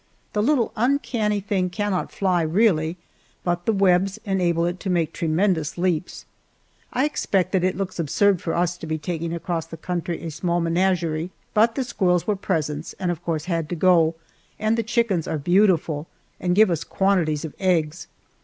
The little uncanny thing cannot fly, really, but the webs enable it to take tremendous leaps. I expect that it looks absurd for us to be taking across the country a small menagerie, but the squirrels were presents, and of course had to go, and the chickens are beautiful, and give us quantities of eggs.